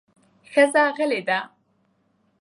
ښځه غلې ده